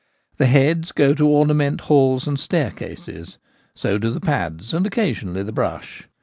The heads go to ornament halls and staircases ; so do the pads and occasionally the brush.